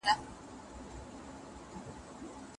هغه مخکي لا خپل ذهن په بدو خیالونو ډک کړی و.